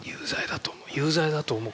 有罪だと思う。